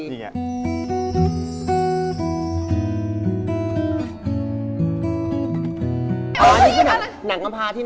อื้อจริงดี๘๗